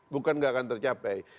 bukan gak akan tercapai